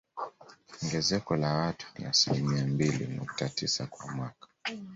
Ongezeko la watu ni asilimia mbili nukta tisa kwa mwaka